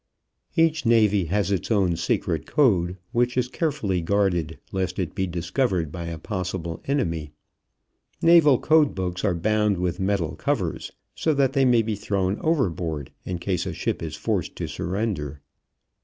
Each navy has its own secret code, which is carefully guarded lest it be discovered by a possible enemy. Naval code books are bound with metal covers so that they may be thrown overboard in case a ship is forced to surrender.